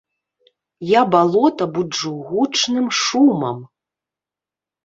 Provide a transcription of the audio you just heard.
Я балота буджу гучным шумам.